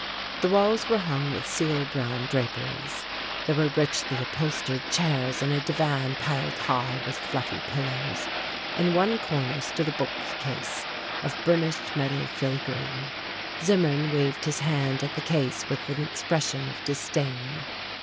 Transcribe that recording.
The walls were hung with seal brown draperies. There were richly upholstered chairs and a divan piled high with fluffy pillows. In one corner stood a bookcase of burnished metal filigree. Zimmern waved his hand at the case with an expression of disdain.